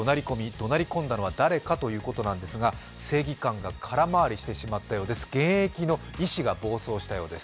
どなり込んだのは誰かということなんですが正義感が空回りしてしまったようです。